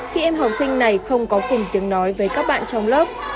khi em học sinh này không có cùng tiếng nói với các bạn trong lớp